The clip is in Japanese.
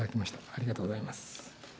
ありがとうございます。